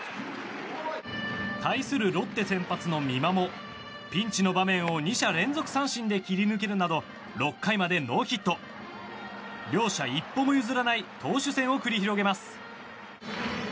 対するロッテ先発の美馬もピンチの場面を２者連続三振で切り抜けるなど６回までノーヒット。両者一歩も譲らない投手戦を繰り広げます。